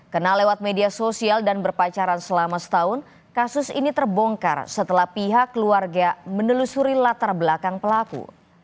karena lewat media sosial dan berpacaran selama setahun kasus ini terbongkar setelah pihak keluarga menelusuri latar belakang pelaku